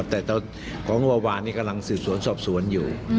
แต่ตัวของวาวานกำลังสื่อสวนสอบสวนอยู่